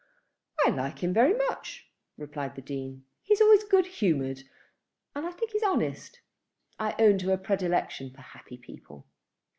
"I like him very much," replied the Dean. "He is always good humoured, and I think he's honest. I own to a predilection for happy people."